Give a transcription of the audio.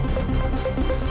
berubah sikap ke gue